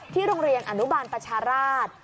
ที่โรงเรียนอนุบาลปัชหาราช